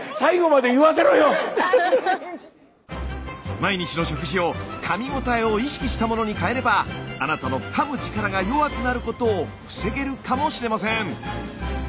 毎日の食事をかみごたえを意識したものに変えればあなたのかむ力が弱くなることを防げるかもしれません。